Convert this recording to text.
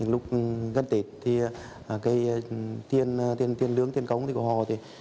lúc gần tết tiên lưỡng tiên cống của họ